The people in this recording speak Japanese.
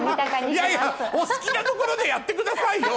いやいやお好きな所でやってくださいよ